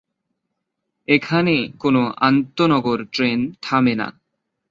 এখানে কোন আন্তঃনগর ট্রেন থামে না।